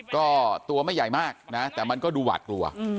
ก็ตัวไม่ใหญ่มากนะแต่มันก็ดูหวาดกลัว